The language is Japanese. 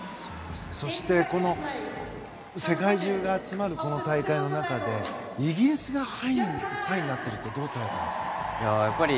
そして、世界中が集まるこの大会の中でイギリスが３位になっているってどう捉えていますか。